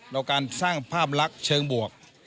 เราการสร้างภาพลักษณ์เชิงบวก